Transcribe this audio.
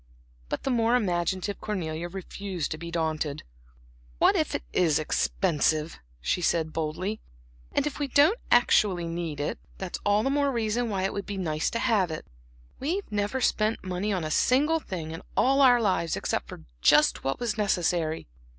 But the more imaginative Cornelia refused to be daunted. "What if it is expensive!" she said boldly "and if we don't actually need it, that's all the more reason why it would be nice to have it. We've never spent money on a single thing in all our lives except for just what was necessary.